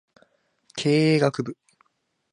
経営学部